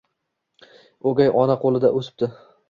O'gay ona qo'lida o'sibdi.